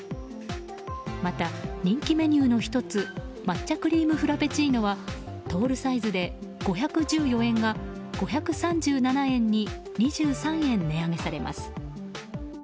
また、人気メニューの１つ抹茶クリームフラペチーノはトールサイズで５１４円が５３７円に２３円、値上げされます。